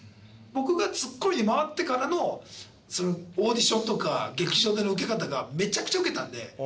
僕がツッコミに回ってからのオーディションとか劇場でのウケ方がめちゃくちゃウケたんで。